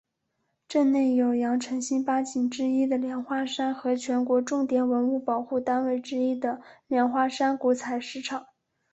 镇内有羊城新八景之一的莲花山和全国重点文物保护单位之一的莲花山古采石场。